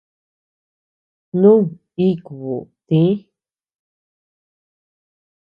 Snú íʼku tï.